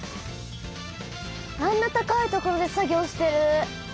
あんな高い所で作業してる。